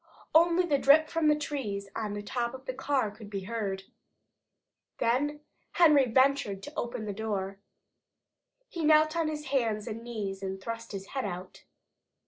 Only the drip from the trees on the top of the car could be heard. Then Henry ventured to open the door. He knelt on his hands and knees and thrust his head out.